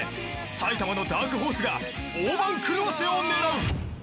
埼玉のダークホースが大番狂わせを狙う］